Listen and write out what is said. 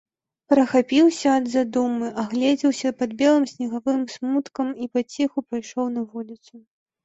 Прахапіўся ад задумы, агледзеўся пад белым снегавым смуткам і паціху пайшоў на вуліцу.